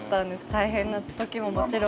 大変な時ももちろん。